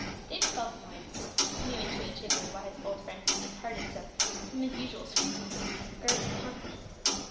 David felt annoyed. He knew intuitively why his old friend had departed so from his usual scrupulousness regarding a confidence.